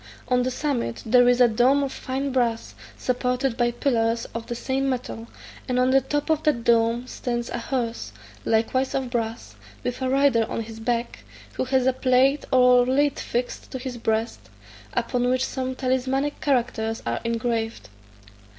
On the summit there is a dome of fine brass, supported by pillars of the same metal, and on the top of that dome stands a horse, likewise of brass, with a rider on his back, who has a plate or lead fixed to his breast, upon which some talismanic characters are engraver.